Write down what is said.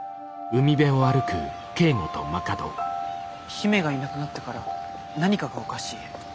姫がいなくなってから何かがおかしい。